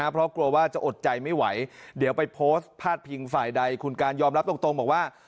เพราะกลัวว่าจะอดใจไม่ไหวเดี๋ยวไปโพสต์พาดพิงฝ่ายใดคุณการยอมรับตรงบอกว่า